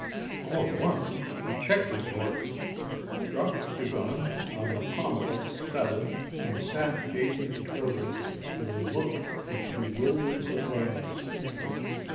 All at once, he checked his horse, dropped the gun on the pommel of his saddle, and sat gazing towards us with a look of bewildered surprise.